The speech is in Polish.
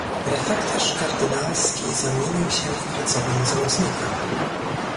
"Refektarz kardynalski zamienił się w pracownię złotnika!"